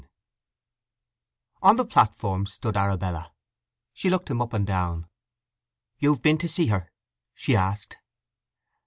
IX On the platform stood Arabella. She looked him up and down. "You've been to see her?" she asked.